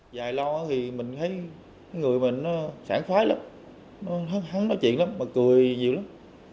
dài lâu thì mình thấy người mình nó sản phái lắm nó hắn hắn nói chuyện lắm mà cười nhiều lắm